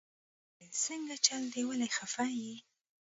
ويې ويل سنګه چل دې ولې خفه يې.